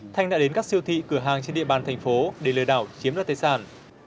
thanh đã đến các siêu thị cửa hàng trên địa bàn thành phố để lừa đảo chiếm đoạt tài sản